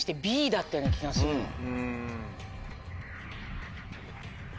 Ｂだったような気がするんだよな。